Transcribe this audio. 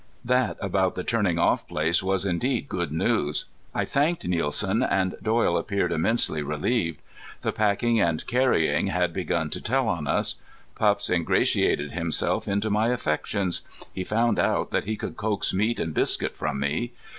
That about the turning off place was indeed good news. I thanked Nielsen. And Doyle appeared immensely relieved. The packing and carrying had begun to tell on us. Pups ingratiated himself into my affections. He found out that he could coax meat and biscuit from me.